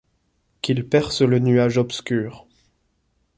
Qu'il perce le nuage obscur